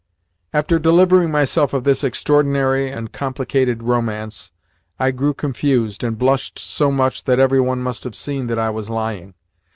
After delivering myself of this extraordinary and complicated romance, I grew confused, and blushed so much that every one must have seen that I was lying.